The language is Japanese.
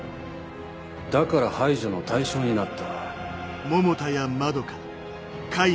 だから排除の対象になった。